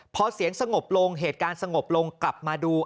พอเสียงสงบลงเหตุการณ์สงบลงกลับมาดู